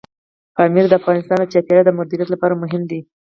پامیر د افغانستان د چاپیریال د مدیریت لپاره مهم دی.